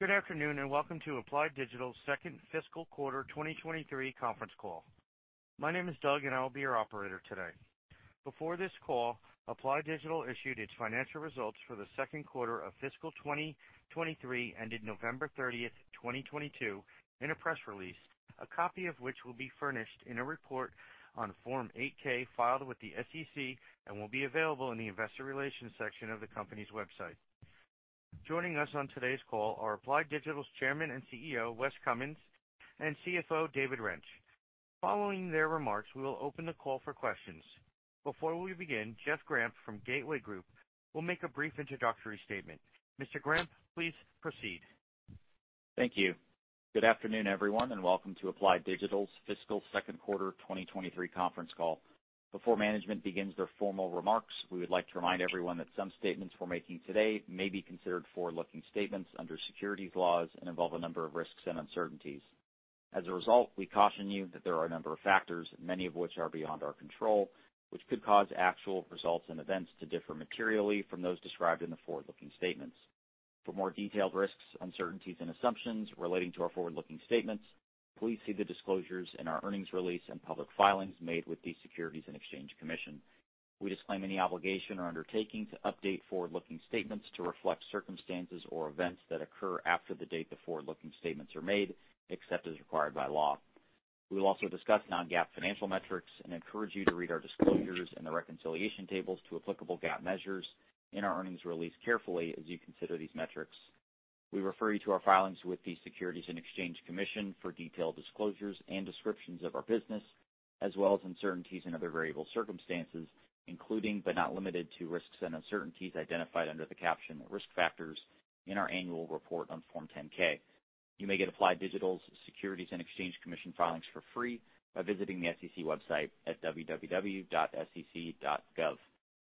Good afternoon and welcome to Applied Digital's Second Fiscal Quarter 2023 Conference Call. My name is Doug, and I will be your operator today. Before this call, Applied Digital issued its financial results for the second quarter of fiscal 2023 ended November 30th, 2022, in a press release, a copy of which will be furnished in a report on Form 8-K filed with the SEC and will be available in the investor relations section of the company's website. Joining us on today's call are Applied Digital's Chairman and CEO, Wes Cummins, and CFO, David Rench. Following their remarks, we will open the call for questions. Before we begin, Jeff Grampp from Gateway Group will make a brief introductory statement. Mr. Grampp, please proceed. Thank you. Good afternoon, everyone, and welcome to Applied Digital's Fiscal Second Quarter 2023 Conference Call. Before management begins their formal remarks, we would like to remind everyone that some statements we're making today may be considered forward-looking statements under securities laws and involve a number of risks and uncertainties. As a result, we caution you that there are a number of factors, many of which are beyond our control, which could cause actual results and events to differ materially from those described in the forward-looking statements. For more detailed risks, uncertainties, and assumptions relating to our forward-looking statements, please see the disclosures in our earnings release and public filings made with the Securities and Exchange Commission. We disclaim any obligation or undertaking to update forward-looking statements to reflect circumstances or events that occur after the date the forward-looking statements are made, except as required by law. We will also discuss non-GAAP financial metrics and encourage you to read our disclosures and the reconciliation tables to applicable GAAP measures in our earnings release carefully as you consider these metrics. We refer you to our filings with the Securities and Exchange Commission for detailed disclosures and descriptions of our business, as well as uncertainties and other variable circumstances, including but not limited to risks and uncertainties identified under the caption "Risk Factors" in our annual report on Form 10-K. You may get Applied Digital's Securities and Exchange Commission filings for free by visiting the SEC website at www.sec.gov.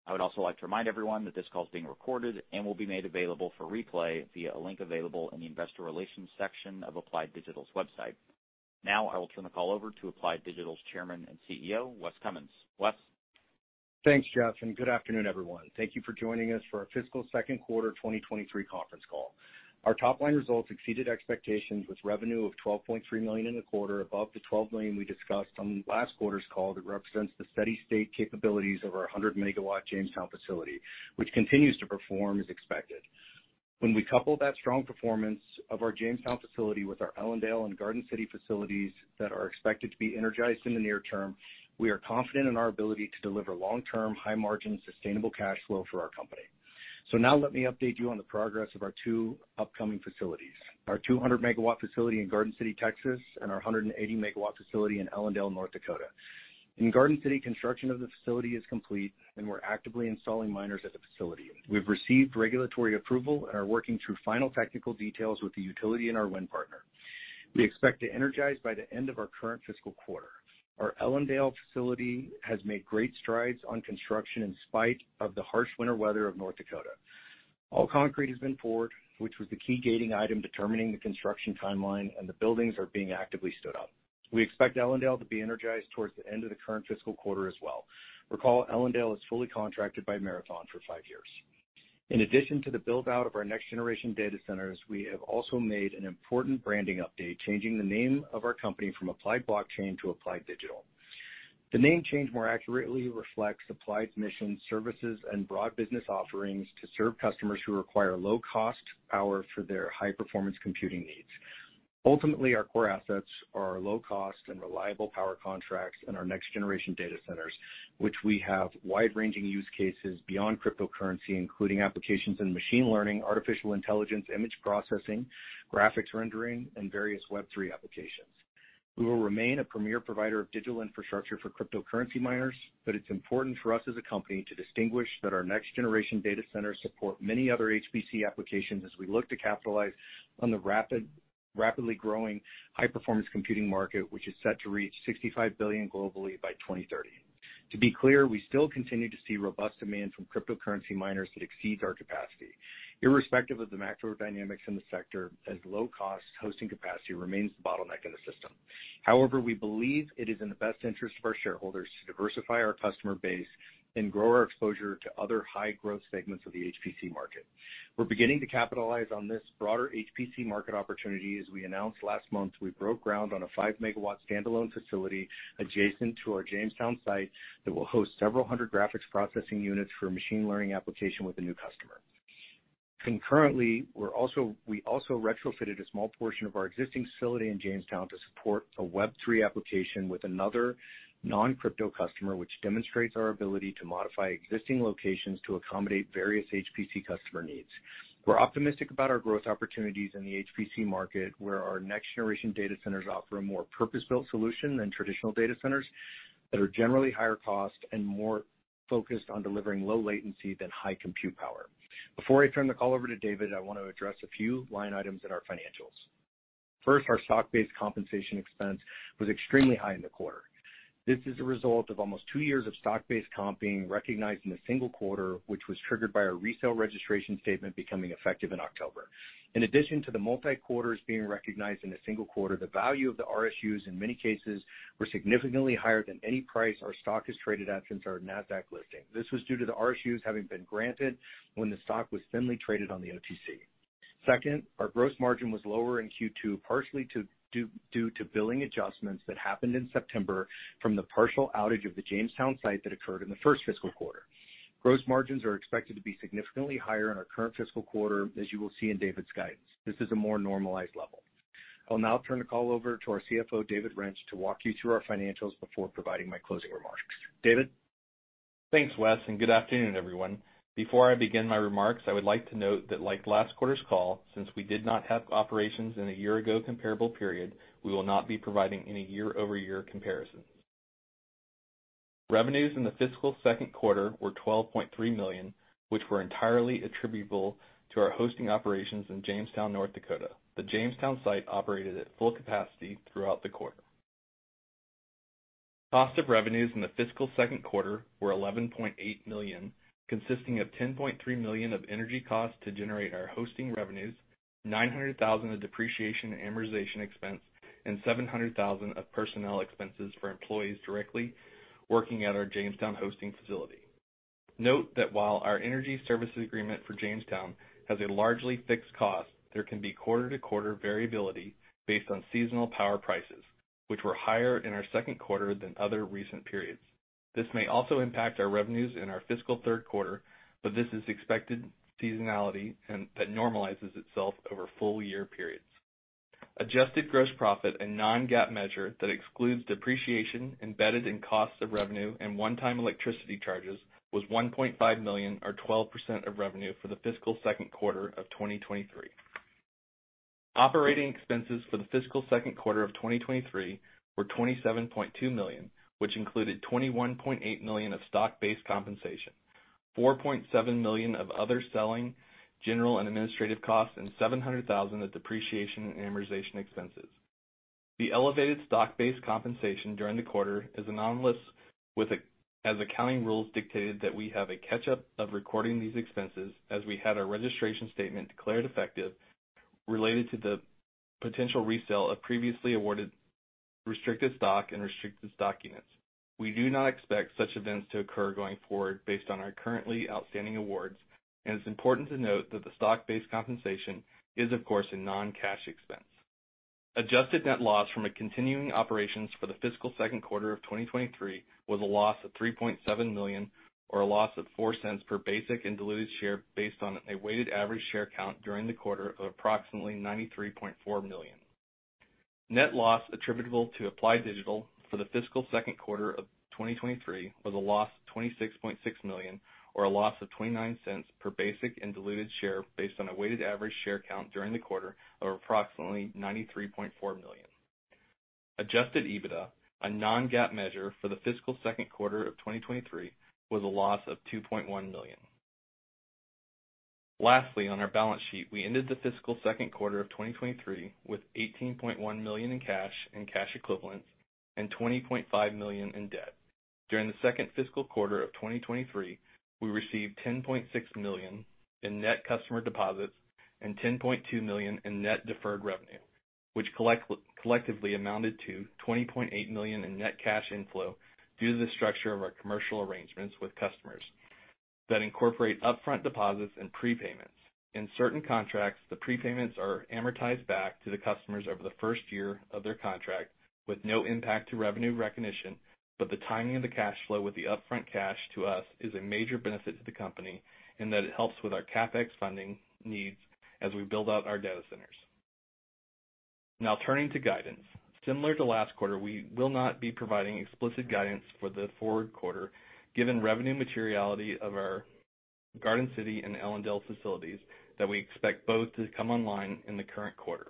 I would also like to remind everyone that this call is being recorded and will be made available for replay via a link available in the investor relations section of Applied Digital's website. Now, I will turn the call over to Applied Digital's Chairman and CEO, Wes Cummins. Wes. Thanks, Jeff, and good afternoon, everyone. Thank you for joining us for our fiscal second quarter 2023 conference call. Our top-line results exceeded expectations with revenue of $12.3 million in the quarter, above the $12 million we discussed on last quarter's call that represents the steady-state capabilities of our 100 MW Jamestown facility, which continues to perform as expected. When we couple that strong performance of our Jamestown facility with our Ellendale and Garden City facilities that are expected to be energized in the near term, we are confident in our ability to deliver long-term, high-margin, sustainable cash flow for our company. So now let me update you on the progress of our two upcoming facilities: our 200 MW facility in Garden City, Texas, and our 180 MW facility in Ellendale, North Dakota. In Garden City, construction of the facility is complete, and we're actively installing miners at the facility. We've received regulatory approval and are working through final technical details with the utility and our wind partner. We expect to energize by the end of our current fiscal quarter. Our Ellendale facility has made great strides on construction in spite of the harsh winter weather of North Dakota. All concrete has been poured, which was the key gating item determining the construction timeline, and the buildings are being actively stood up. We expect Ellendale to be energized towards the end of the current fiscal quarter as well. Recall, Ellendale is fully contracted by Marathon for five years. In addition to the build-out of our next-generation data centers, we have also made an important branding update, changing the name of our company from Applied Blockchain to Applied Digital. The name change, more accurately, reflects Applied Digital's mission, services, and broad business offerings to serve customers who require low-cost power for their high-performance computing needs. Ultimately, our core assets are low-cost and reliable power contracts and our next-generation data centers, which we have wide-ranging use cases beyond cryptocurrency, including applications in machine learning, artificial intelligence, image processing, graphics rendering, and various Web3 applications. We will remain a premier provider of digital infrastructure for cryptocurrency miners, but it's important for us as a company to distinguish that our next-generation data centers support many other HPC applications as we look to capitalize on the rapidly growing high-performance computing market, which is set to reach $65 billion globally by 2030. To be clear, we still continue to see robust demand from cryptocurrency miners that exceeds our capacity. Irrespective of the macro dynamics in the sector. As low-cost hosting capacity remains the bottleneck in the system. However, we believe it is in the best interest of our shareholders to diversify our customer base and grow our exposure to other high-growth segments of the HPC market. We're beginning to capitalize on this broader HPC market opportunity as we announced last month we broke ground on a five MW standalone facility adjacent to our Jamestown site that will host several hundred graphics processing units for a machine learning application with a new customer. Concurrently, we also retrofitted a small portion of our existing facility in Jamestown to support a Web3 application with another non-crypto customer, which demonstrates our ability to modify existing locations to accommodate various HPC customer needs. We're optimistic about our growth opportunities in the HPC market, where our next-generation data centers offer a more purpose-built solution than traditional data centers that are generally higher cost and more focused on delivering low latency than high compute power. Before I turn the call over to David, I want to address a few line items in our financials. First, our stock-based compensation expense was extremely high in the quarter. This is a result of almost two years of stock-based comp being recognized in a single quarter, which was triggered by our resale registration statement becoming effective in October. In addition to the multi-quarters being recognized in a single quarter, the value of the RSUs in many cases were significantly higher than any price our stock is traded at since our Nasdaq listing. This was due to the RSUs having been granted when the stock was thinly traded on the OTC. Second, our gross margin was lower in Q2, partially due to billing adjustments that happened in September from the partial outage of the Jamestown site that occurred in the first fiscal quarter. Gross margins are expected to be significantly higher in our current fiscal quarter, as you will see in David's guidance. This is a more normalized level. I'll now turn the call over to our CFO, David Rench, to walk you through our financials before providing my closing remarks. David. Thanks, Wes, and good afternoon, everyone. Before I begin my remarks, I would like to note that, like last quarter's call, since we did not have operations in a year-ago comparable period, we will not be providing any year-over-year comparisons. Revenues in the fiscal second quarter were $12.3 million, which were entirely attributable to our hosting operations in Jamestown, North Dakota. The Jamestown site operated at full capacity throughout the quarter. Cost of revenues in the fiscal second quarter were $11.8 million, consisting of $10.3 million of energy costs to generate our hosting revenues, $900,000 of depreciation and amortization expense, and $700,000 of personnel expenses for employees directly working at our Jamestown hosting facility. Note that while our energy services agreement for Jamestown has a largely fixed cost, there can be quarter-to-quarter variability based on seasonal power prices, which were higher in our second quarter than other recent periods. This may also impact our revenues in our fiscal third quarter, but this is expected seasonality that normalizes itself over full-year periods. Adjusted gross profit, a non-GAAP measure that excludes depreciation embedded in costs of revenue and one-time electricity charges, was $1.5 million, or 12% of revenue for the fiscal second quarter of 2023. Operating expenses for the fiscal second quarter of 2023 were $27.2 million, which included $21.8 million of stock-based compensation, $4.7 million of other selling, general and administrative costs, and $700,000 of depreciation and amortization expenses. The elevated stock-based compensation during the quarter is anomalous as accounting rules dictated that we have a catch-up of recording these expenses as we had our registration statement declared effective related to the potential resale of previously awarded restricted stock and restricted stock units. We do not expect such events to occur going forward based on our currently outstanding awards, and it's important to note that the stock-based compensation is, of course, a non-cash expense. Adjusted net loss from continuing operations for the fiscal second quarter of 2023 was a loss of $3.7 million, or a loss of $0.04 per basic and diluted share based on a weighted average share count during the quarter of approximately $93.4 million. Net loss attributable to Applied Digital for the fiscal second quarter of 2023 was a loss of $26.6 million, or a loss of $0.29 per basic and diluted share based on a weighted average share count during the quarter of approximately $93.4 million. Adjusted EBITDA, a non-GAAP measure for the fiscal second quarter of 2023, was a loss of $2.1 million. Lastly, on our balance sheet, we ended the fiscal second quarter of 2023 with $18.1 million in cash and cash equivalents and $20.5 million in debt. During the second fiscal quarter of 2023, we received $10.6 million in net customer deposits and $10.2 million in net deferred revenue, which collectively amounted to $20.8 million in net cash inflow due to the structure of our commercial arrangements with customers that incorporate upfront deposits and prepayments. In certain contracts, the prepayments are amortized back to the customers over the first year of their contract with no impact to revenue recognition, but the timing of the cash flow with the upfront cash to us is a major benefit to the company in that it helps with our CapEx funding needs as we build out our data centers. Now, turning to guidance. Similar to last quarter, we will not be providing explicit guidance for the forward quarter given the revenue materiality of our Garden City and Ellendale facilities that we expect both to come online in the current quarter.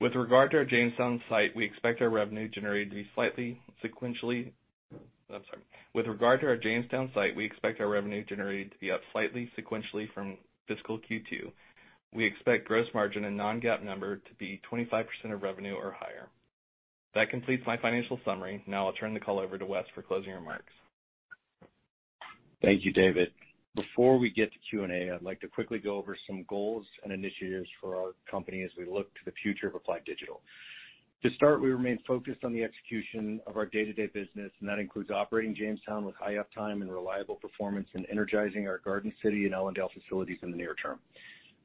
With regard to our Jamestown site, we expect our revenue generated to be slightly sequentially. I'm sorry. With regard to our Jamestown site, we expect our revenue generated to be up slightly sequentially from fiscal Q2. We expect gross margin and non-GAAP number to be 25% of revenue or higher. That completes my financial summary. Now, I'll turn the call over to Wes for closing remarks. Thank you, David. Before we get to Q&A, I'd like to quickly go over some goals and initiatives for our company as we look to the future of Applied Digital. To start, we remain focused on the execution of our day-to-day business, and that includes operating Jamestown with high uptime and reliable performance and energizing our Garden City and Ellendale facilities in the near term.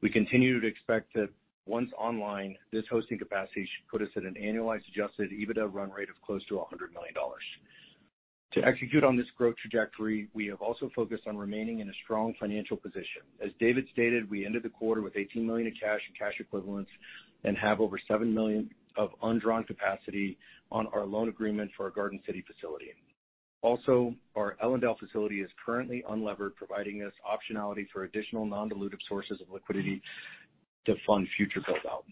We continue to expect that once online, this hosting capacity should put us at an annualized Adjusted EBITDA run rate of close to $100 million. To execute on this growth trajectory, we have also focused on remaining in a strong financial position. As David stated, we ended the quarter with $18 million in cash and cash equivalents and have over $7 million of undrawn capacity on our loan agreement for our Garden City facility. Also, our Ellendale facility is currently unlevered, providing us optionality for additional non-dilutive sources of liquidity to fund future build-out.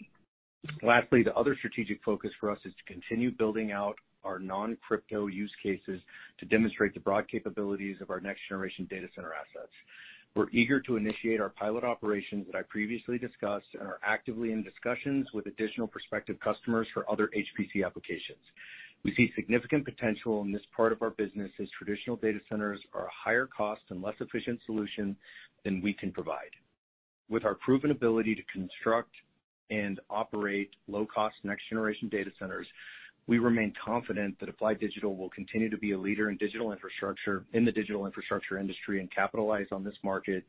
Lastly, the other strategic focus for us is to continue building out our non-crypto use cases to demonstrate the broad capabilities of our next-generation data center assets. We're eager to initiate our pilot operations that I previously discussed and are actively in discussions with additional prospective customers for other HPC applications. We see significant potential in this part of our business as traditional data centers are a higher-cost and less efficient solution than we can provide. With our proven ability to construct and operate low-cost next-generation data centers, we remain confident that Applied Digital will continue to be a leader in digital infrastructure in the digital infrastructure industry and capitalize on this market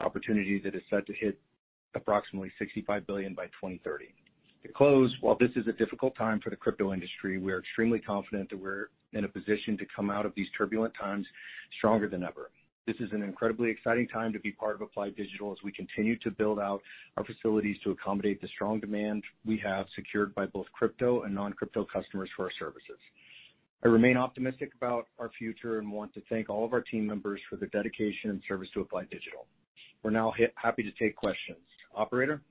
opportunity that is set to hit approximately $65 billion by 2030. To close, while this is a difficult time for the crypto industry, we are extremely confident that we're in a position to come out of these turbulent times stronger than ever. This is an incredibly exciting time to be part of Applied Digital as we continue to build out our facilities to accommodate the strong demand we have secured by both crypto and non-crypto customers for our services. I remain optimistic about our future and want to thank all of our team members for their dedication and service to Applied Digital. We're now happy to take questions. Operator?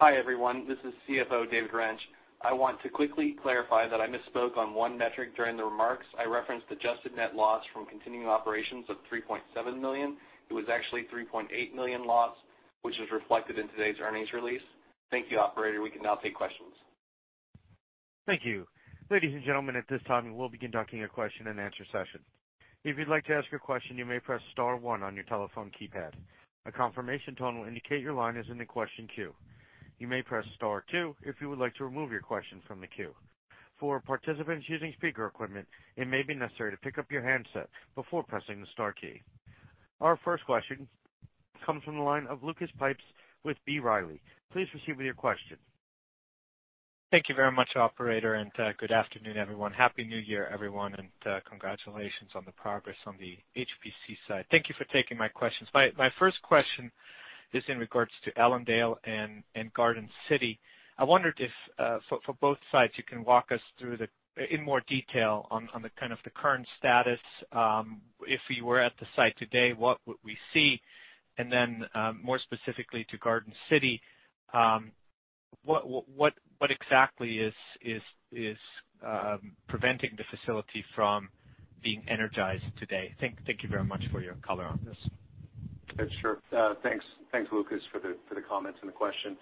Hi, everyone. This is CFO David Rench. I want to quickly clarify that I misspoke on one metric during the remarks. I referenced adjusted net loss from continuing operations of $3.7 million. It was actually $3.8 million loss, which is reflected in today's earnings release. Thank you, Operator. We can now take questions. Thank you. Ladies and gentlemen, at this time, we'll begin documenting a question-and-answer session. If you'd like to ask a question, you may press star one on your telephone keypad. A confirmation tone will indicate your line is in the question queue. You may press star two if you would like to remove your question from the queue. For participants using speaker equipment, it may be necessary to pick up your handset before pressing the star key. Our first question comes from the line of Lucas Pipes with B. Riley. Please proceed with your question. Thank you very much, Operator, and good afternoon, everyone. Happy New Year, everyone, and congratulations on the progress on the HPC side. Thank you for taking my questions. My first question is in regards to Ellendale and Garden City. I wondered if, for both sides, you can walk us through in more detail on the kind of the current status, if we were at the site today, what would we see, and then more specifically to Garden City, what exactly is preventing the facility from being energized today? Thank you very much for your color on this. Sure. Thanks, Lucas, for the comments and the question.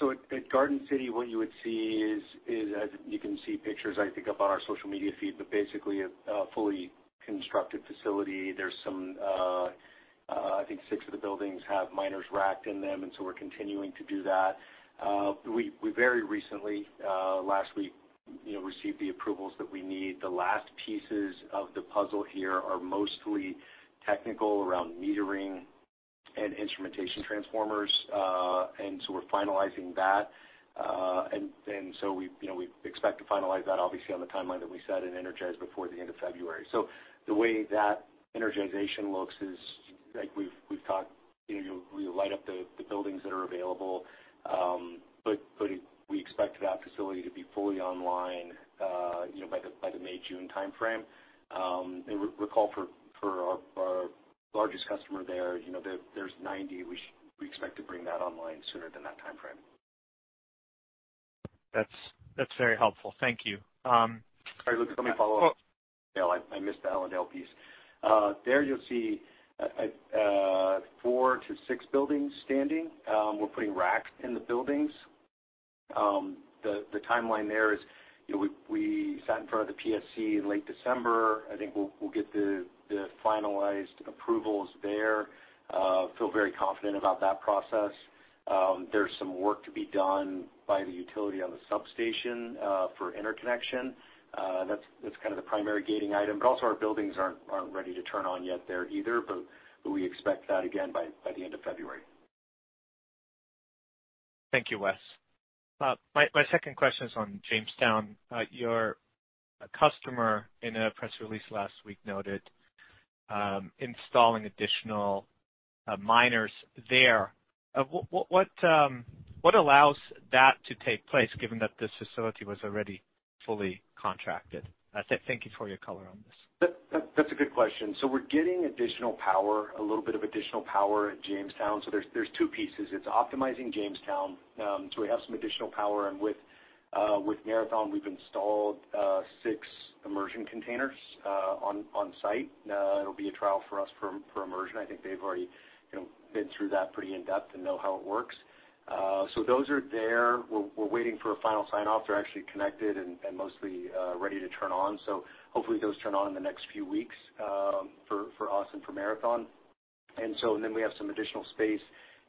So at Garden City, what you would see is, as you can see pictures, I think, up on our social media feed, but basically a fully constructed facility. There's some, I think, six of the buildings have miners racked in them, and so we're continuing to do that. We very recently, last week, received the approvals that we need. The last pieces of the puzzle here are mostly technical around metering and instrumentation transformers, and so we're finalizing that. And so we expect to finalize that, obviously, on the timeline that we set and energize before the end of February. So the way that energization looks is, like we've talked, we'll light up the buildings that are available, but we expect that facility to be fully online by the May/June timeframe. And recall, for our largest customer there, there's 90. We expect to bring that online sooner than that timeframe. That's very helpful. Thank you. All right, Lucas, let me follow up. Yeah, I missed the Ellendale piece. There you'll see 4-6 buildings standing. We're putting racks in the buildings. The timeline there is we sat in front of the PSC in late December. I think we'll get the finalized approvals there. I feel very confident about that process. There's some work to be done by the utility on the substation for interconnection. That's kind of the primary gating item. But also, our buildings aren't ready to turn on yet there either, but we expect that, again, by the end of February. Thank you, Wes. My second question is on Jamestown. Your customer in a press release last week noted installing additional miners there. What allows that to take place given that this facility was already fully contracted? Thank you for your color on this. That's a good question. We're getting additional power, a little bit of additional power at Jamestown. There are two pieces. It's optimizing Jamestown. We have some additional power. With Marathon, we've installed six immersion containers on site. It will be a trial for us for immersion. I think they've already been through that pretty in-depth and know how it works. Those are there. We're waiting for a final sign-off. They're actually connected and mostly ready to turn on. Hopefully, those turn on in the next few weeks for us and for Marathon. We have some additional space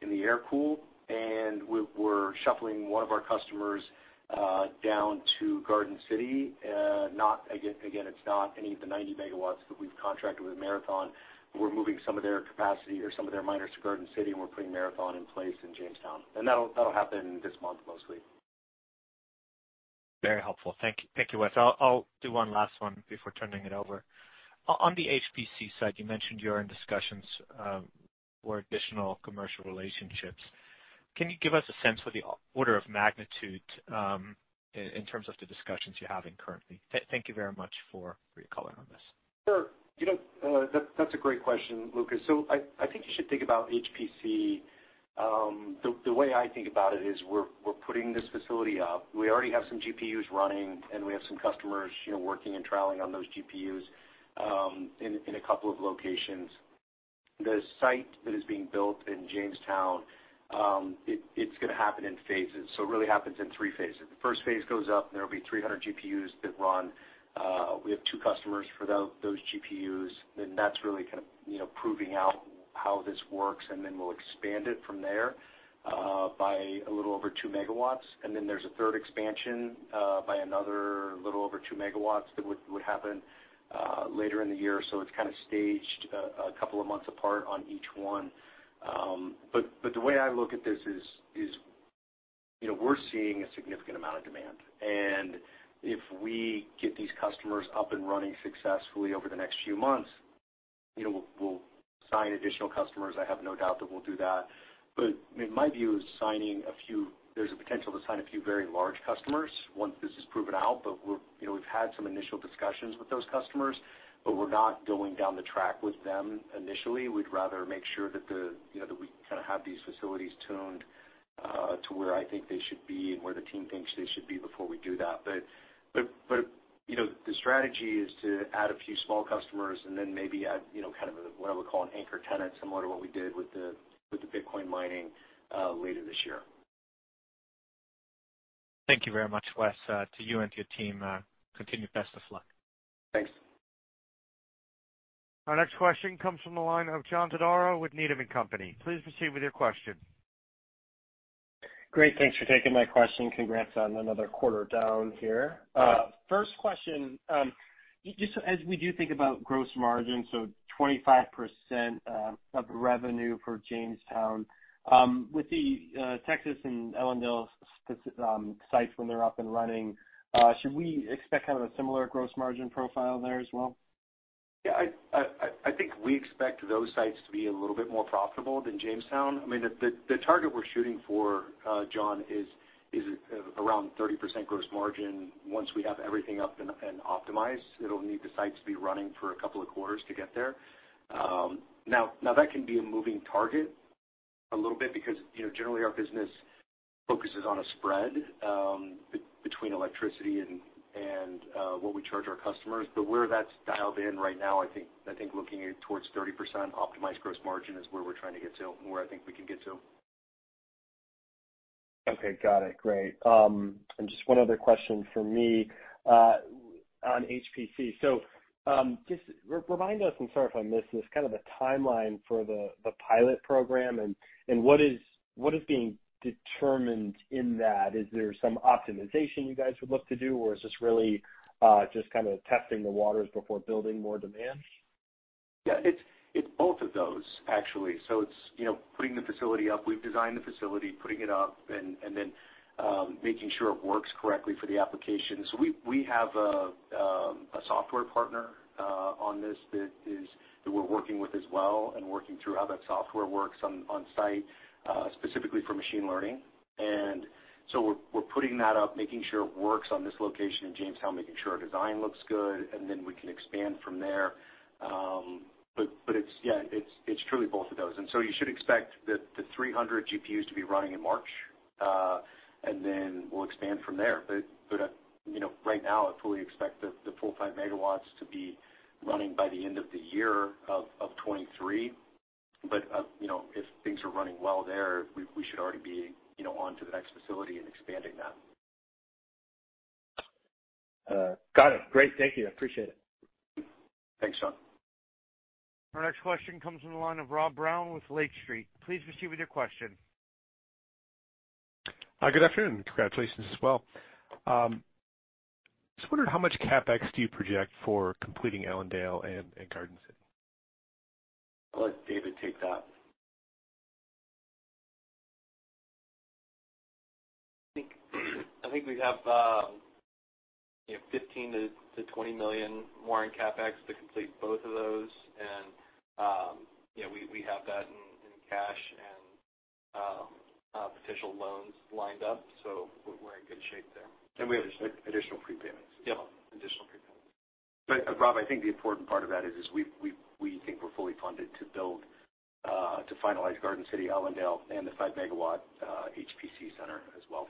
in the air cool, and we're shuffling one of our customers down to Garden City. Again, it's not any of the 90 MW that we've contracted with Marathon. We're moving some of their capacity or some of their miners to Garden City, and we're putting Marathon in place in Jamestown, and that'll happen this month, mostly. Very helpful. Thank you, Wes. I'll do one last one before turning it over. On the HPC side, you mentioned you're in discussions for additional commercial relationships. Can you give us a sense for the order of magnitude in terms of the discussions you're having currently? Thank you very much for your color on this. Sure. That's a great question, Lucas, so I think you should think about HPC. The way I think about it is we're putting this facility up. We already have some GPUs running, and we have some customers working and trialing on those GPUs in a couple of locations. The site that is being built in Jamestown, it's going to happen in phases, so it really happens in three phases. The first phase goes up, and there will be 300 GPUs that run. We have two customers for those GPUs, then that's really kind of proving out how this works, and then we'll expand it from there by a little over two MW, and then there's a third expansion by another little over two megawatts that would happen later in the year, so it's kind of staged a couple of months apart on each one. The way I look at this is we're seeing a significant amount of demand. And if we get these customers up and running successfully over the next few months, we'll sign additional customers. I have no doubt that we'll do that. My view is signing a few, there's a potential to sign a few very large customers once this is proven out. We've had some initial discussions with those customers, but we're not going down the track with them initially. We'd rather make sure that we kind of have these facilities tuned to where I think they should be and where the team thinks they should be before we do that. The strategy is to add a few small customers and then maybe add kind of what I would call an anchor tenant, similar to what we did with the Bitcoin mining later this year. Thank you very much, Wes. To you and your team, continued best of luck. Thanks. Our next question comes from the line of John Todaro with Needham & Company. Please proceed with your question. Great. Thanks for taking my question. Congrats on another quarter down here. First question, just as we do think about gross margin, so 25% of the revenue for Jamestown, with the Texas and Ellendale sites when they're up and running, should we expect kind of a similar gross margin profile there as well? Yeah. I think we expect those sites to be a little bit more profitable than Jamestown. I mean, the target we're shooting for, John, is around 30% gross margin. Once we have everything up and optimized, it'll need the sites to be running for a couple of quarters to get there. Now, that can be a moving target a little bit because generally, our business focuses on a spread between electricity and what we charge our customers. But where that's dialed in right now, I think looking towards 30% optimized gross margin is where we're trying to get to, where I think we can get to. Okay. Got it. Great. And just one other question for me on HPC. So just remind us, and sorry if I missed this, kind of the timeline for the pilot program and what is being determined in that. Is there some optimization you guys would look to do, or is this really just kind of testing the waters before building more demand? Yeah. It's both of those, actually. So it's putting the facility up. We've designed the facility, putting it up, and then making sure it works correctly for the application. So we have a software partner on this that we're working with as well and working through how that software works on site, specifically for machine learning. And so we're putting that up, making sure it works on this location in Jamestown, making sure our design looks good, and then we can expand from there. But yeah, it's truly both of those. And so you should expect the 300 GPUs to be running in March, and then we'll expand from there. But right now, I fully expect the full five megawatts to be running by the end of the year of 2023. But if things are running well there, we should already be on to the next facility and expanding that. Got it. Great. Thank you. I appreciate it. Thanks, John. Our next question comes from the line of Rob Brown with Lake Street. Please proceed with your question. Hi, good afternoon. Congratulations as well. Just wondered how much CapEx do you project for completing Ellendale and Garden City? I'll let David take that. I think we have $15 million-$20 million more in CapEx to complete both of those, and we have that in cash and potential loans lined up, so we're in good shape there. We have additional prepayments. Yep. Additional prepayments. But, Rob, I think the important part of that is we think we're fully funded to finalize Garden City, Ellendale, and the five MW HPC center as well.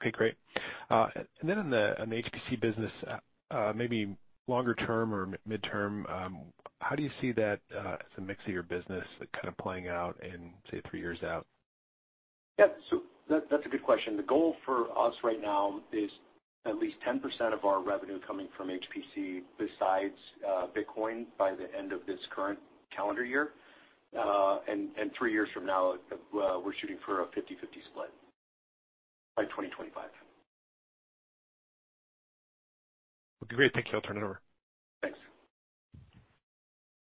Okay. Great, and then on the HPC business, maybe longer term or midterm, how do you see that as a mix of your business kind of playing out in, say, three years out? Yeah. So that's a good question. The goal for us right now is at least 10% of our revenue coming from HPC besides Bitcoin by the end of this current calendar year. And three years from now, we're shooting for a 50/50 split by 2025. Okay. Great. Thank you. I'll turn it over. Thanks.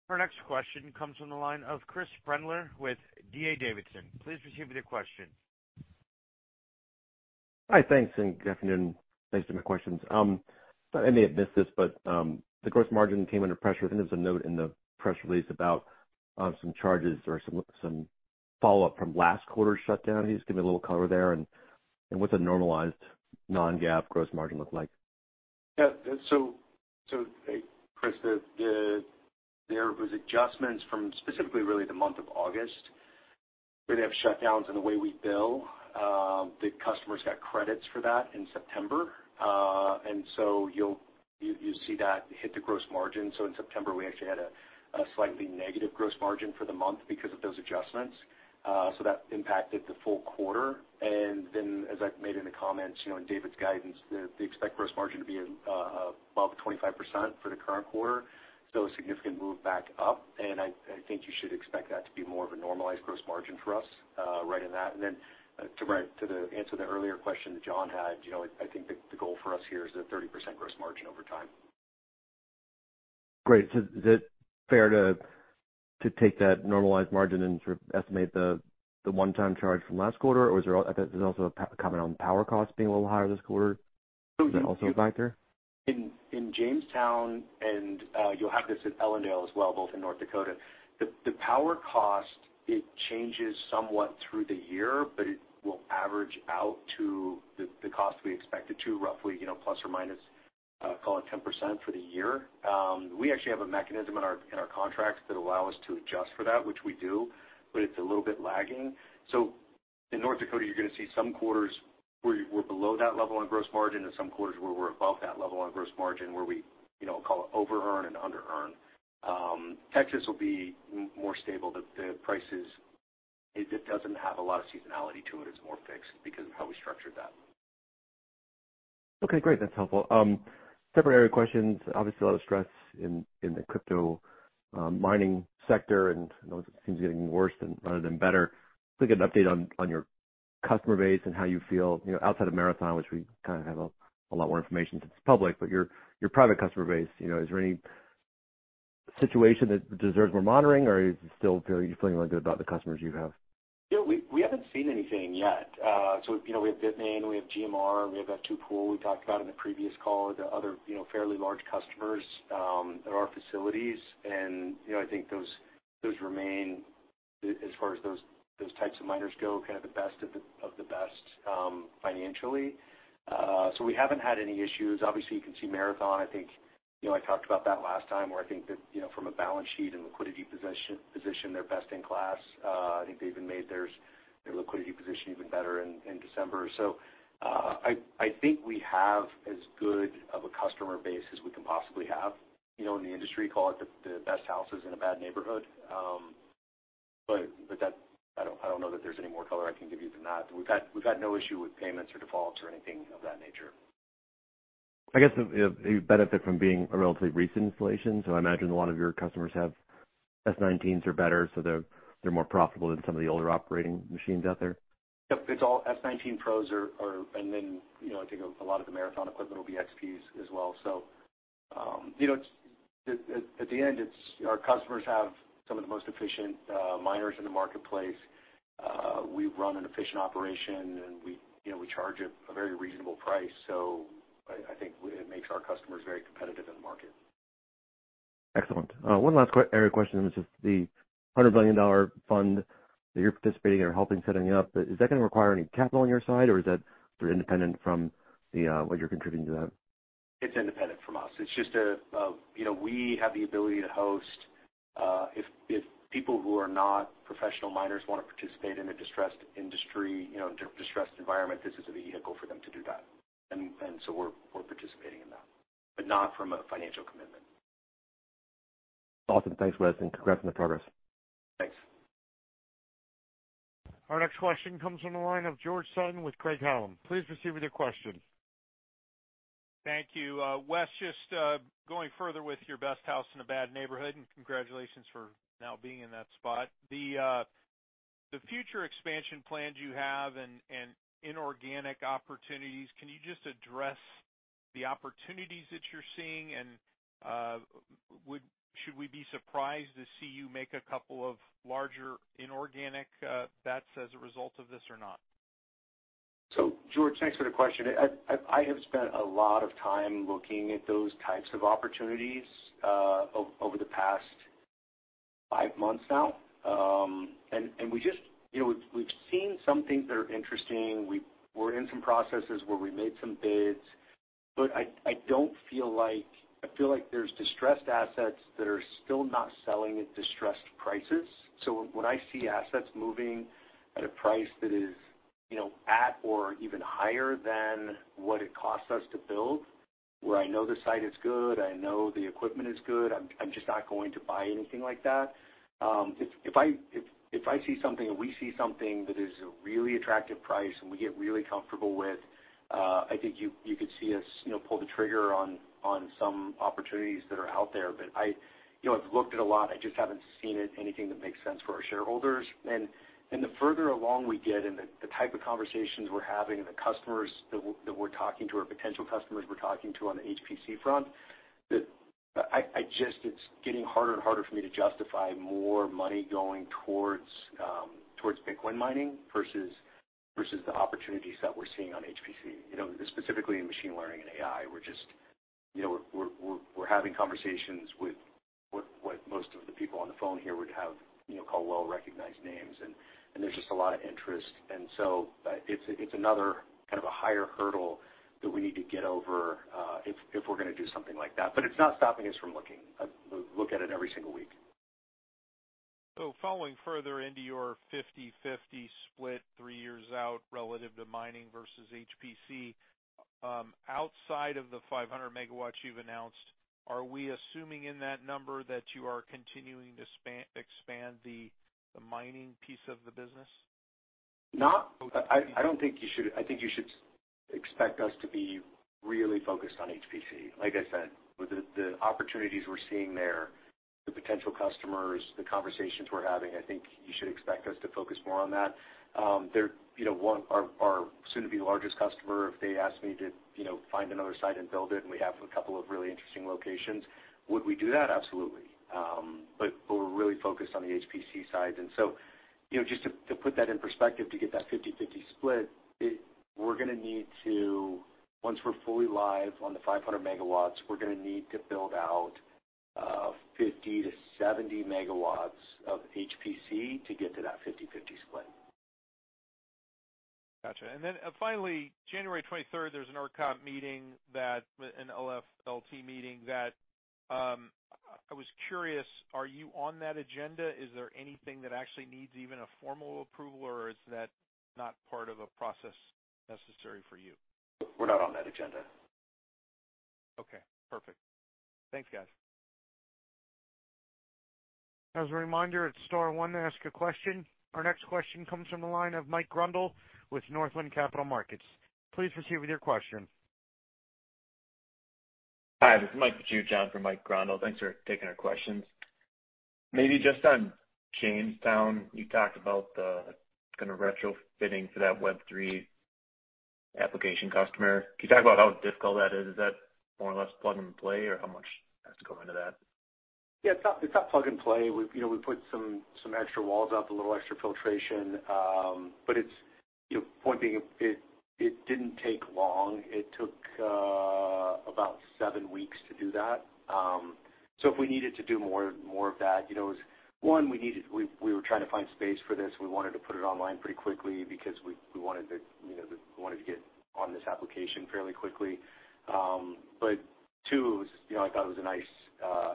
Our next question comes from the line of Chris Brendler with D.A. Davidson. Please proceed with your question. Hi. Thanks, and good afternoon. Thanks for my questions. I may have missed this, but the gross margin came under pressure. I think there was a note in the press release about some charges or some follow-up from last quarter's shutdown. Can you just give me a little color there? And what's a normalized non-GAAP gross margin look like? Yeah. So, Chris, there were adjustments from specifically really the month of August where they have shutdowns in the way we bill. The customers got credits for that in September, and so you see that hit the gross margin. So in September, we actually had a slightly negative gross margin for the month because of those adjustments. So that impacted the full quarter. And then, as I've made in the comments in David's guidance, they expect gross margin to be above 25% for the current quarter. So a significant move back up. And I think you should expect that to be more of a normalized gross margin for us right in that. And then to answer the earlier question that John had, I think the goal for us here is a 30% gross margin over time. Great. Is it fair to take that normalized margin and sort of estimate the one-time charge from last quarter? Or is there also a comment on power costs being a little higher this quarter? Is that also a factor? In Jamestown, and you'll have this in Ellendale as well, both in North Dakota, the power cost, it changes somewhat through the year, but it will average out to the cost we expect it to roughly plus or minus, call it 10% for the year. We actually have a mechanism in our contracts that allows us to adjust for that, which we do, but it's a little bit lagging. So in North Dakota, you're going to see some quarters where we're below that level on gross margin and some quarters where we're above that level on gross margin where we call it over-earn and under-earn. Texas will be more stable. The prices, it doesn't have a lot of seasonality to it. It's more fixed because of how we structured that. Okay. Great. That's helpful. Separate area of questions. Obviously, a lot of stress in the crypto mining sector, and it seems getting worse rather than better. I think an update on your customer base and how you feel outside of Marathon, which we kind of have a lot more information since it's public. But your private customer base, is there any situation that deserves more monitoring, or are you feeling really good about the customers you have? Yeah. We haven't seen anything yet. So we have Bitmain, we have GMR, we have F2Pool we talked about in the previous call, the other fairly large customers at our facilities. And I think those remain, as far as those types of miners go, kind of the best of the best financially. So we haven't had any issues. Obviously, you can see Marathon. I think I talked about that last time where I think that from a balance sheet and liquidity position, they're best in class. I think they've even made their liquidity position even better in December. So I think we have as good of a customer base as we can possibly have in the industry. Call it the best houses in a bad neighborhood. But I don't know that there's any more color I can give you than that. We've had no issue with payments or defaults or anything of that nature. I guess you benefit from being a relatively recent installation. So I imagine a lot of your customers have S19s or better, so they're more profitable than some of the older operating machines out there. Yep. It's all S19 Pros, and then I think a lot of the Marathon equipment will be XPs as well. So at the end, our customers have some of the most efficient miners in the marketplace. We run an efficient operation, and we charge a very reasonable price. So I think it makes our customers very competitive in the market. Excellent. One last area of question is just the $100 million fund that you're participating in or helping set up. Is that going to require any capital on your side, or is that sort of independent from what you're contributing to that? It's independent from us. It's just we have the ability to host. If people who are not professional miners want to participate in a distressed industry, distressed environment, this is a vehicle for them to do that, and so we're participating in that, but not from a financial commitment. Awesome. Thanks, Wes. And congrats on the progress. Thanks. Our next question comes from the line of George Sutton with Craig-Hallum. Please proceed with your question. Thank you. Wes, just going further with your best house in a bad neighborhood, and congratulations for now being in that spot. The future expansion plans you have and inorganic opportunities, can you just address the opportunities that you're seeing? And should we be surprised to see you make a couple of larger inorganic bets as a result of this or not? So George, thanks for the question. I have spent a lot of time looking at those types of opportunities over the past five months now. And we've seen some things that are interesting. We're in some processes where we made some bids. But I feel like there's distressed assets that are still not selling at distressed prices. So when I see assets moving at a price that is at or even higher than what it costs us to build, where I know the site is good, I know the equipment is good, I'm just not going to buy anything like that. If I see something or we see something that is a really attractive price and we get really comfortable with, I think you could see us pull the trigger on some opportunities that are out there. But I've looked at a lot. I just haven't seen anything that makes sense for our shareholders, and the further along we get and the type of conversations we're having and the customers that we're talking to or potential customers we're talking to on the HPC front, it's getting harder and harder for me to justify more money going towards Bitcoin mining versus the opportunities that we're seeing on HPC, specifically in machine learning and AI. We're having conversations with what most of the people on the phone here would have called well-recognized names, and there's just a lot of interest, and so it's another kind of a higher hurdle that we need to get over if we're going to do something like that, but it's not stopping us from looking. I look at it every single week. Following further into your 50/50 split three years out relative to mining versus HPC, outside of the 500 MW you've announced, are we assuming in that number that you are continuing to expand the mining piece of the business? No. I don't think you should. I think you should expect us to be really focused on HPC. Like I said, the opportunities we're seeing there, the potential customers, the conversations we're having, I think you should expect us to focus more on that. They're our soon-to-be largest customer. If they ask me to find another site and build it, and we have a couple of really interesting locations, would we do that? Absolutely. But we're really focused on the HPC side. And so just to put that in perspective, to get that 50/50 split, we're going to need to, once we're fully live on the 500 MW, we're going to need to build out 50-70 MW of HPC to get to that 50/50 split. Gotcha. And then finally, January 23rd, there's an ERCOT meeting and LFLTF meeting that I was curious, are you on that agenda? Is there anything that actually needs even a formal approval, or is that not part of a process necessary for you? We're not on that agenda. Okay. Perfect. Thanks, guys. As a reminder, it's star one to ask a question. Our next question comes from the line of Mike Grondahl with Northland Capital Markets. Please proceed with your question. Hi. This is Mike Grondahl from Northland. Thanks for taking our questions. Maybe just on Jamestown, you talked about the kind of retrofitting for that Web3 application customer. Can you talk about how difficult that is? Is that more or less plug and play, or how much has to go into that? Yeah. It's not plug and play. We put some extra walls up, a little extra filtration. But point being, it didn't take long. It took about seven weeks to do that. So if we needed to do more of that, one, we were trying to find space for this. We wanted to put it online pretty quickly because we wanted to get on this application fairly quickly. But two, I thought it was a nice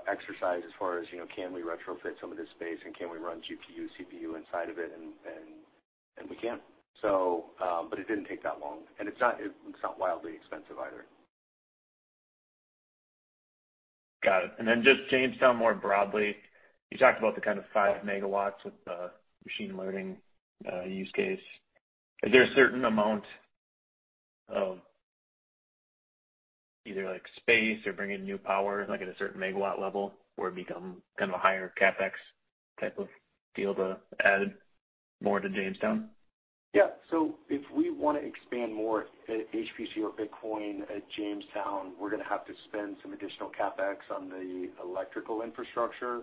exercise as far as, "Can we retrofit some of this space, and can we run GPU, CPU inside of it?" And we can. But it didn't take that long. And it's not wildly expensive either. Got it. And then just Jamestown more broadly, you talked about the kind of five megawatts with the machine learning use case. Is there a certain amount of either space or bringing new power at a certain megawatt level where it becomes kind of a higher CapEx type of deal to add more to Jamestown? Yeah. So if we want to expand more HPC or Bitcoin at Jamestown, we're going to have to spend some additional CapEx on the electrical infrastructure,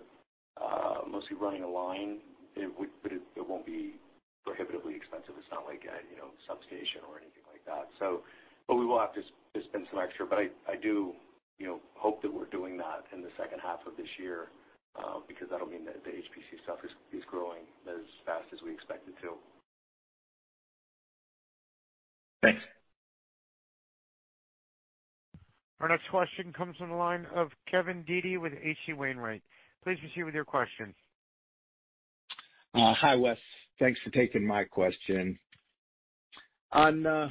mostly running a line. But it won't be prohibitively expensive. It's not like a substation or anything like that. But we will have to spend some extra. But I do hope that we're doing that in the second half of this year because that'll mean that the HPC stuff is growing as fast as we expect it to. Thanks. Our next question comes from the line of Kevin Dede with H.C. Wainwright. Please proceed with your question. Hi, Wes. Thanks for taking my question. On the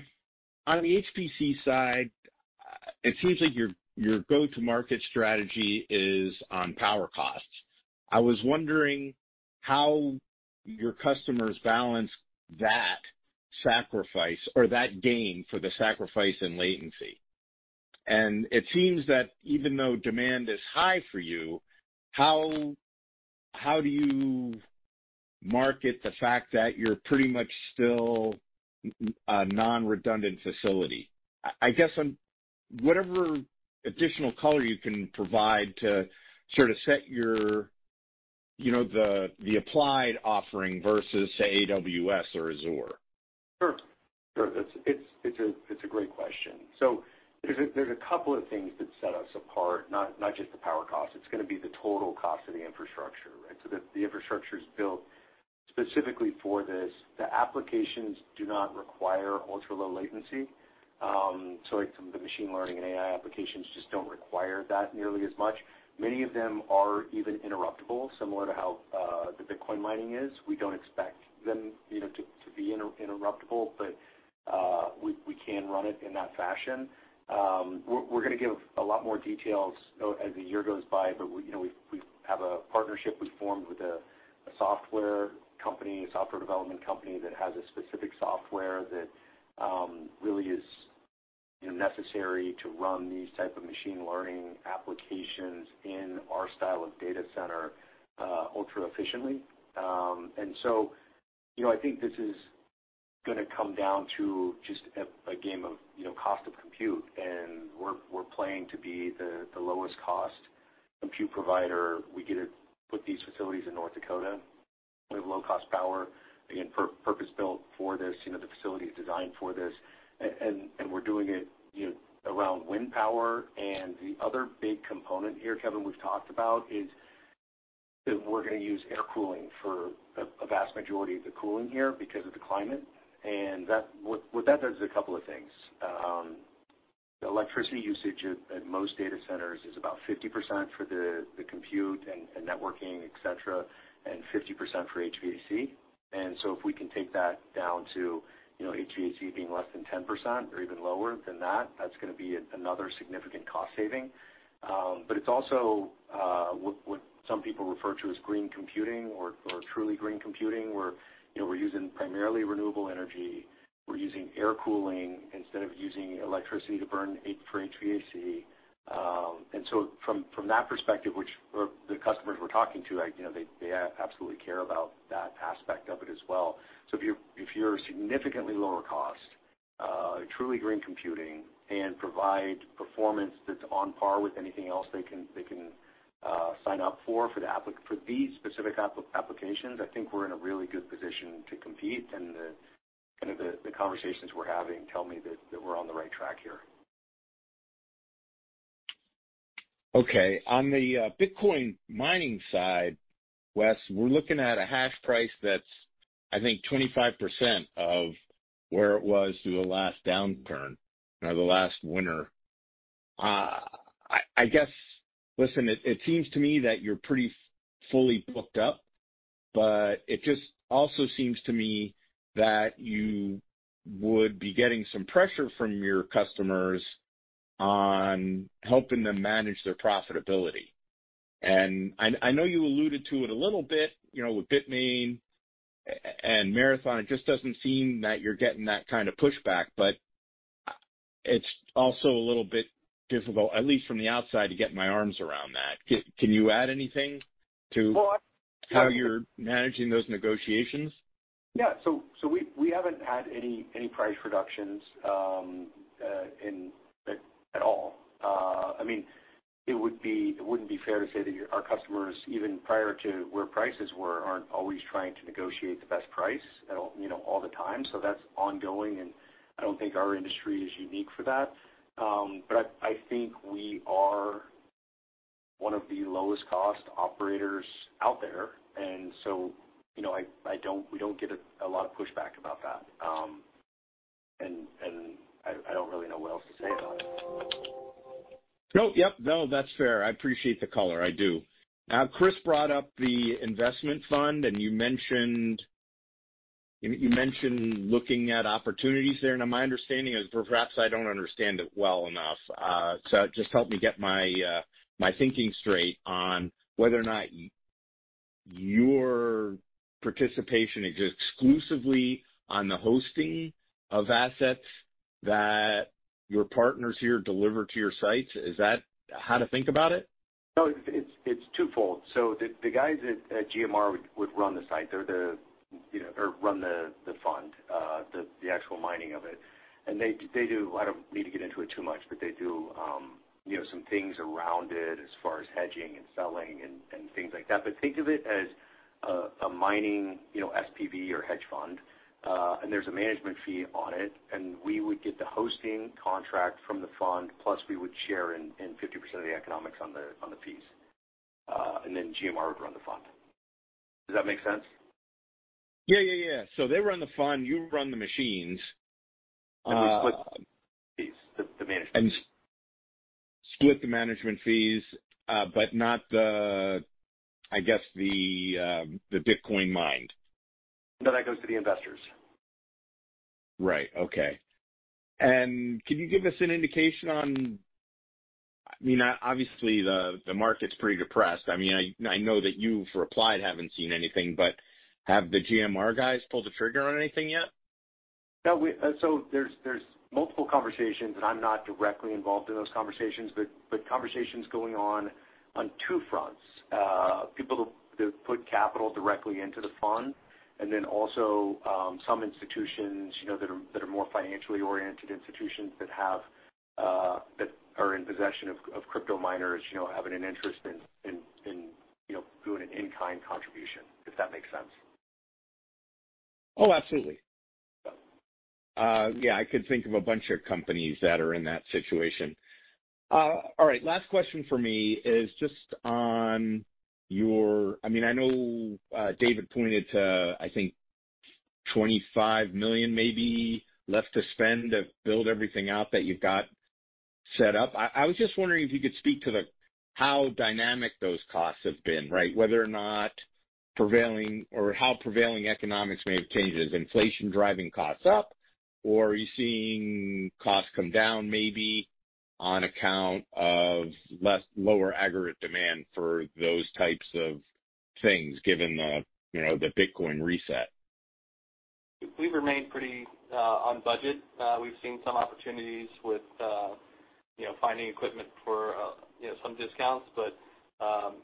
HPC side, it seems like your go-to-market strategy is on power costs. I was wondering how your customers balance that sacrifice or that gain for the sacrifice in latency, and it seems that even though demand is high for you, how do you market the fact that you're pretty much still a non-redundant facility? I guess whatever additional color you can provide to sort of set the Applied Digital offering versus, say, AWS or Azure? Sure. Sure. It's a great question. So there's a couple of things that set us apart, not just the power cost. It's going to be the total cost of the infrastructure, right? So the infrastructure is built specifically for this. The applications do not require ultra-low latency. So some of the machine learning and AI applications just don't require that nearly as much. Many of them are even interruptible, similar to how the Bitcoin mining is. We don't expect them to be interruptible, but we can run it in that fashion. We're going to give a lot more details as the year goes by, but we have a partnership we formed with a software company, a software development company that has a specific software that really is necessary to run these types of machine learning applications in our style of data center ultra-efficiently. And so I think this is going to come down to just a game of cost of compute. And we're playing to be the lowest-cost compute provider. We get to put these facilities in North Dakota. We have low-cost power. Again, purpose-built for this. The facility is designed for this. And we're doing it around wind power. And the other big component here, Kevin, we've talked about is that we're going to use air cooling for a vast majority of the cooling here because of the climate. And what that does is a couple of things. The electricity usage at most data centers is about 50% for the compute and networking, etc., and 50% for HVAC. And so if we can take that down to HVAC being less than 10% or even lower than that, that's going to be another significant cost saving. But it's also what some people refer to as green computing or truly green computing, where we're using primarily renewable energy. We're using air cooling instead of using electricity to burn for HVAC. And so from that perspective, the customers we're talking to, they absolutely care about that aspect of it as well. So if you're significantly lower cost, truly green computing, and provide performance that's on par with anything else they can sign up for, for these specific applications, I think we're in a really good position to compete. And kind of the conversations we're having tell me that we're on the right track here. Okay. On the Bitcoin mining side, Wes, we're looking at a hash price that's, I think, 25% of where it was through the last downturn or the last winter. I guess, listen, it seems to me that you're pretty fully booked up, but it just also seems to me that you would be getting some pressure from your customers on helping them manage their profitability, and I know you alluded to it a little bit with Bitmain and Marathon. It just doesn't seem that you're getting that kind of pushback, but it's also a little bit difficult, at least from the outside, to get my arms around that. Can you add anything to how you're managing those negotiations? Yeah. So we haven't had any price reductions at all. I mean, it wouldn't be fair to say that our customers, even prior to where prices were, aren't always trying to negotiate the best price all the time. So that's ongoing. And I don't think our industry is unique for that. But I think we are one of the lowest-cost operators out there. And so we don't get a lot of pushback about that. And I don't really know what else to say about it. Nope. Yep. No, that's fair. I appreciate the color. I do. Now, Chris brought up the investment fund, and you mentioned looking at opportunities there. Now, my understanding is perhaps I don't understand it well enough. So just help me get my thinking straight on whether or not your participation is exclusively on the hosting of assets that your partners here deliver to your sites. Is that how to think about it? No, it's twofold. So the guys at GMR would run the site or run the fund, the actual mining of it. And they do. I don't need to get into it too much, but they do some things around it as far as hedging and selling and things like that. But think of it as a mining SPV or hedge fund. And there's a management fee on it. And we would get the hosting contract from the fund, plus we would share in 50% of the economics on the fees. And then GMR would run the fund. Does that make sense? Yeah, yeah, yeah. So they run the fund. You run the machines. We split the management fees. Split the management fees, but not, I guess, the Bitcoin mined? No, that goes to the investors. Right. Okay. And can you give us an indication on, I mean, obviously, the market's pretty depressed. I mean, I know that you for Applied Digital haven't seen anything, but have the GMR guys pulled the trigger on anything yet? No. So there's multiple conversations, and I'm not directly involved in those conversations, but conversations going on on two fronts. People that put capital directly into the fund. And then also some institutions that are more financially oriented institutions that are in possession of crypto miners having an interest in doing an in-kind contribution, if that makes sense. Oh, absolutely. Yeah. I could think of a bunch of companies that are in that situation. All right. Last question for me is just on your, I mean, I know David pointed to, I think, $25 million maybe left to spend to build everything out that you've got set up. I was just wondering if you could speak to how dynamic those costs have been, right? Whether or not prevailing or how prevailing economics may have changed. Is inflation driving costs up, or are you seeing costs come down maybe on account of lower aggregate demand for those types of things given the Bitcoin reset? We've remained pretty on budget. We've seen some opportunities with finding equipment for some discounts, but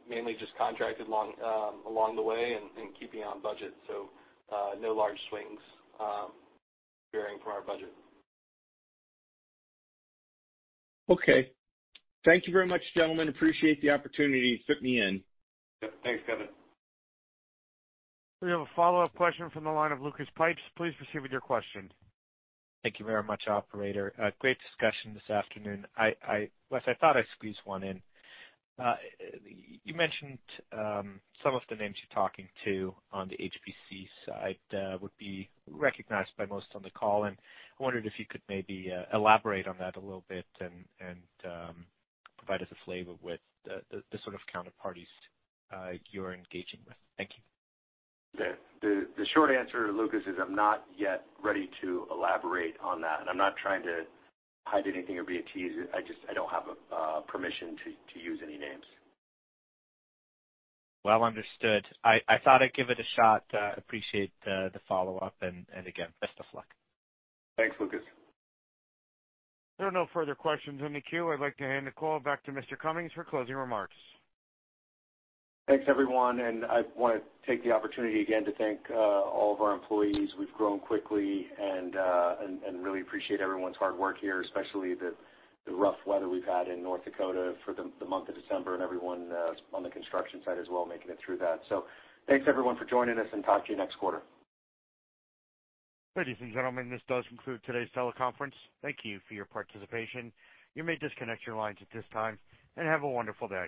mainly just contracted along the way and keeping on budget, so no large swings varying from our budget. Okay. Thank you very much, gentlemen. Appreciate the opportunity. You fit me in. Yep. Thanks, Kevin. We have a follow-up question from the line of Lucas Pipes. Please proceed with your question. Thank you very much, Operator. Great discussion this afternoon. Wes, I thought I squeezed one in. You mentioned some of the names you're talking to on the HPC side would be recognized by most on the call, and I wondered if you could maybe elaborate on that a little bit and provide us a flavor with the sort of counterparties you're engaging with? Thank you. Okay. The short answer, Lucas, is I'm not yet ready to elaborate on that. And I'm not trying to hide anything or be a tease. I don't have permission to use any names. Well understood. I thought I'd give it a shot. Appreciate the follow-up. And again, best of luck. Thanks, Lucas. There are no further questions in the queue. I'd like to hand the call back to Mr. Cummins for closing remarks. Thanks, everyone, and I want to take the opportunity again to thank all of our employees. We've grown quickly and really appreciate everyone's hard work here, especially the rough weather we've had in North Dakota for the month of December and everyone on the construction side as well making it through that, so thanks, everyone, for joining us, and talk to you next quarter. Ladies and gentlemen, this does conclude today's teleconference. Thank you for your participation. You may disconnect your lines at this time and have a wonderful day.